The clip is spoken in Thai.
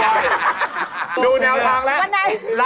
ดูแนวข้างแหละ